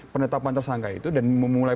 penetapan tersangka itu dan memulai